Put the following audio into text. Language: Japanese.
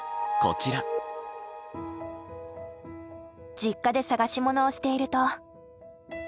実家で探し物をしていると。